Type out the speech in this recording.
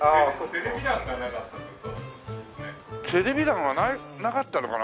テレビ欄はなかったのかな？